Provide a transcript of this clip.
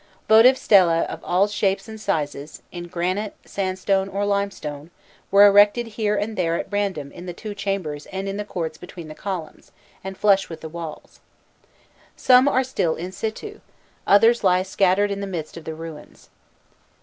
Votive stehe of all shapes and sizes, in granite, sandstone, or limestone, were erected here and there at random in the two chambers and in the courts between the columns, and flush with the walls. Some are still in situ, others lie scattered in the midst of the ruins.